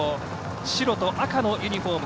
白と赤のユニフォーム。